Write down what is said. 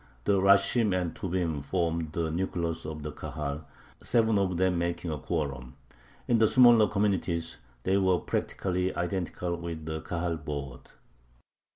The rashim and tubim formed the nucleus of the Kahal, seven of them making a quorum; in the smaller communities they were practically identical with the Kahal board.